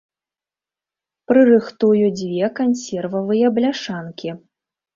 Прырыхтую дзве кансервавыя бляшанкі.